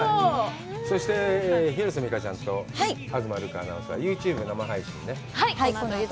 そして、広瀬未花ちゃんと東留伽アナウンサーは、ユーチューブ、生配信ね？